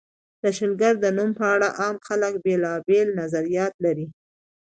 د شلګر د نوم په اړه عام خلک بېلابېل نظریات لري.